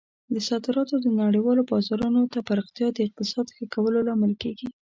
د صادراتو د نړیوالو بازارونو ته پراختیا د اقتصاد ښه کولو لامل کیږي.